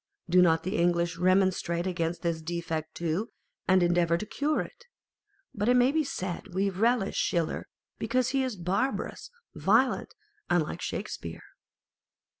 Do not the English remonstrate against this defect too, and endeavour to cure it ? But it may be said we relish Schiller because he is barbarous, violent, and like Shakespeare.